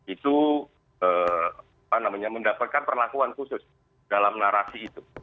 itu mendapatkan perlakuan khusus dalam narasi itu